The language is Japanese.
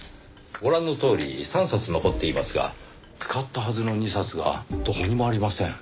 ご覧のとおり３冊残っていますが使ったはずの２冊がどこにもありません。